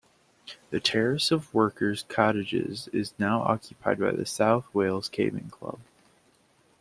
The terrace of workers cottages is now occupied by the South Wales Caving Club.